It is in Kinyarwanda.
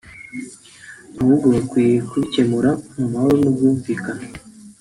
ahubwo bakwiye kubikemura mu mahoro n’ubwuvikane